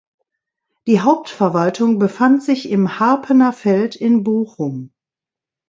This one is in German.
Die Hauptverwaltung befand sich im "Harpener Feld" in Bochum.